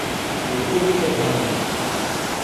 República do Ramen